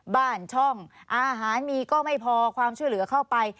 บ้านช่องอาหารมีก็ไม่พอความช่วยเหลือเข้าไป